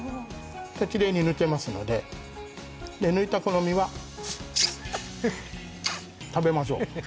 きれいに抜けますので抜いた、この身は食べましょう。